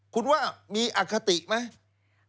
คุณว่ามีอคติไหม